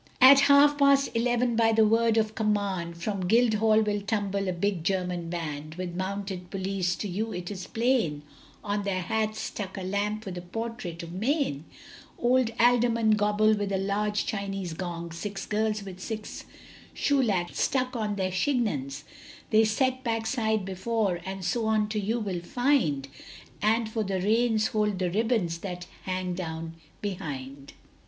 At half past eleven, by the word of command, From Guildhall will tumble a big German Band; With mounted police, to you it is plain On their hats stuck a lamp with a portrait of Mayne Old Alderman Gobble with a large Chinese gong, Six girls with six shoelacks stuck on their chignons They set backside before, and so on you will find, And for reins hold the ribbons that hang down behind.